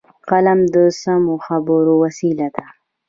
قلم د سمو خبرو وسیله ده